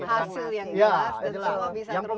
hasil yang gelas dan semua bisa terukur